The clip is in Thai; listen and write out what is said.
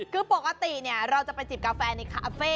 คือปกติเราจะไปจิบกาแฟในคาเฟ่